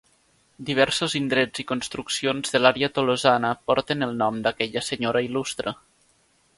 Diversos indrets i construccions de l'àrea tolosana porten el nom d'aquella senyora il·lustra.